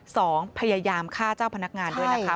พยายามฆ่าเจ้าพนักงานด้วยนะคะ